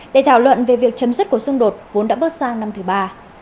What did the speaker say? để thảo luận về việc chấm dứt cuộc xung đột vốn đã bước sang năm thứ ba